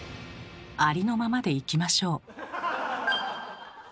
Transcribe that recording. ありのままでいきましょう。